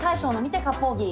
大将の見て、かっぽう着。